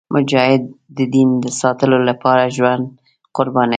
مجاهد د دین ساتلو لپاره ژوند قربانوي.